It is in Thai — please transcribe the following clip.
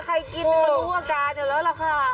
กินก็รู้อาการอยู่แล้วล่ะค่ะ